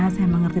ya saya mengerti